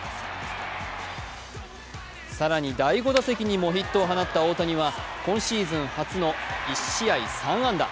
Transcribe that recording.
更に、第５打席にもヒットを放った大谷は今シーズン初の１試合３安打。